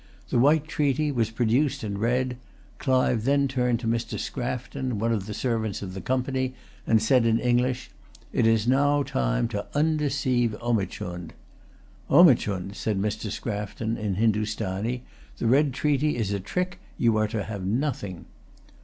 The white treaty was produced and read. Clive then turned to Mr. Scrafton, one of the servants of the Company, and said in English, "It is now time to undeceive Omichund." "Omichund," said Mr. Scrafton in Hindostanee, "the red treaty is a trick, you are to have nothing."